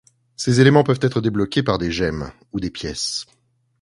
Ces éléments peuvent être débloqués par des gemmes ou des pièces.